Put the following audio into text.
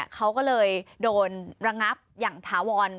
เขาก็เลยโดนระงับอย่างถาวร